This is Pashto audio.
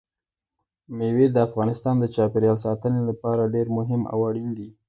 مېوې د افغانستان د چاپیریال ساتنې لپاره ډېر مهم او اړین دي.